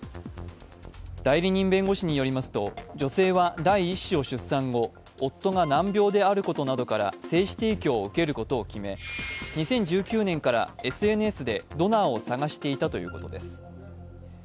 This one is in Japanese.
代理人弁護士によりますと女性は第１子を出産後夫が難病であることなどから精子提供を受けることを決め、２０１９年からＳＮＳでドナーを捜していたということです。